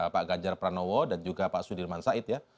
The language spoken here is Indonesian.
pak ganjar pranowo dan juga pak sudirman said ya